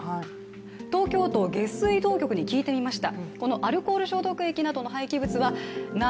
東京都下水道局に聞いてみました。